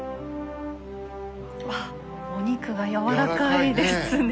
わっお肉がやわらかいですね。